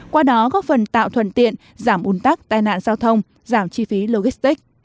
qua đó góp phần tạo thuận tiện giảm bùn tắc tai nạn giao thông giảm chi phí logistic